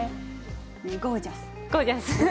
ゴージャス。